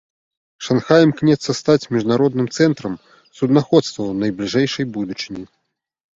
Шанхай імкнецца стаць міжнародным цэнтрам суднаходства ў найбліжэйшай будучыні.